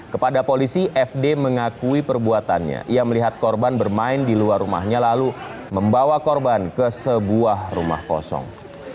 kepada polisi fd mengakui perbuatannya ia melihat korban bermain di luar rumahnya lalu membawa korban ke sebuah rumah kosong